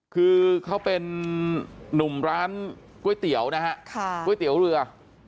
คือเขาเป็นนุ่มร้านก๋วยเตี๋ยวนะฮะก๋วยเตี๋ยวเรือ